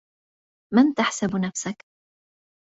من تحسب نفسك ؟